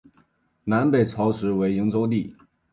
南北朝时为营州地。